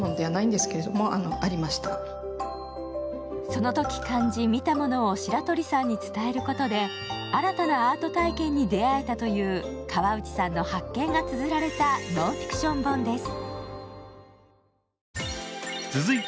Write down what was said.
そのとき感じ、見たものを白鳥さんに伝えることで新たなアート体験に出会えたという川内さんの発見がつづられたノンフィクション本です。